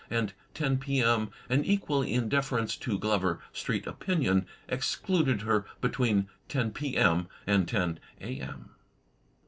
and ten p.m., and, equally in deference to Glover Street opinion, excluded her between ten p.m. and ten a.m.